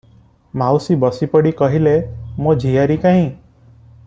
ମାଉସୀ ବସିପଡ଼ି କହିଲେ, 'ମୋ ଝିଆରୀ କାହିଁ?